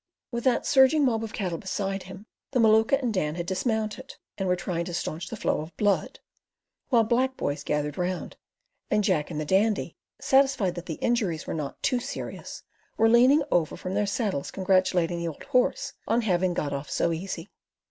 With that surging mob of cattle beside them, the Maluka and Dan had dismounted, and were trying to staunch the flow of blood, while black boys gathered round, and Jack and the Dandy, satisfied that the injuries were not "too serious," were leaning over from their saddles congratulating the old horse on having "got off so easy."